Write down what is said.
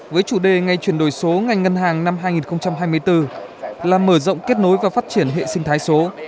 với chủ đề ngay chuyển đổi số ngành ngân hàng năm hai nghìn hai mươi bốn là mở rộng kết nối và phát triển hệ sinh thái số